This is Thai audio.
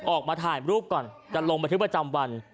ออกมาถ่ายรูปก่อนจะลงบันทึกประจำวัน